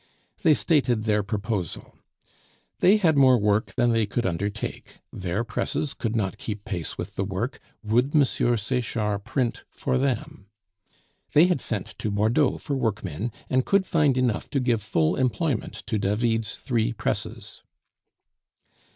They stated their proposal. They had more work than they could undertake, their presses could not keep pace with the work, would M. Sechard print for them? They had sent to Bordeaux for workmen, and could find enough to give full employment to David's three presses.